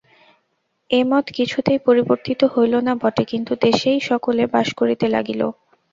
এ মত কিছুতেই পরিবর্তিত হইল না বটে কিন্তু দেশেই সকলে বাস করিতে লাগিল।